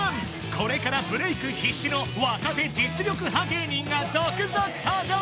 これからブレイク必至の若手実力派芸人が続々登場！